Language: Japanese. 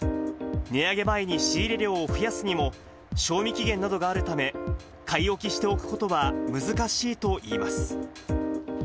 値上げ前に仕入れ量を増やすにも、賞味期限などがあるため、買い置きしておくことは難しいといいます。